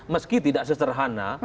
meski tidak seserhana